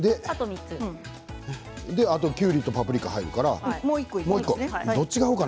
あと、きゅうりとパプリカが入るから、もう１個どっちが合うかな？